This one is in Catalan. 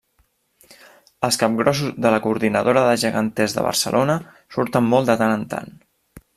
Els capgrossos de la Coordinadora de Geganters de Barcelona surten molt de tant en tant.